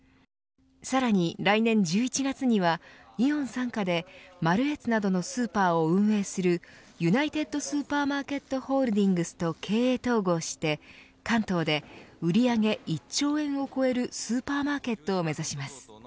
さらに来年１１月にはイオン傘下で、マルエツなどのスーパーを運営するユナイテッド・スーパーマーケット・ホールディングスと経営統合して関東で売上１兆円を超えるスーパーマーケットを目指します。